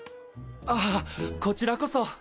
あっこちらこそ。